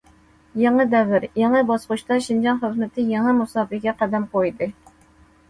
يېڭى دەۋر، يېڭى باسقۇچتا شىنجاڭ خىزمىتى يېڭى مۇساپىگە قەدەم قويدى.